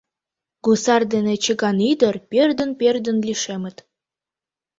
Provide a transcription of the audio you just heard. Гусар дене чыган ӱдыр пӧрдын-пӧрдын лишемыт.